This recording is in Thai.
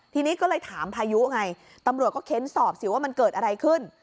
ทีนี้ก็เลยถามพายุไงตำรวจก็เค้นสอบสิว่ามันเกิดอะไรขึ้น